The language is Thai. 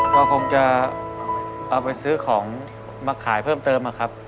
ก็คงจะเอาไปซื้อของมาขายเพิ่มเติมนะครับ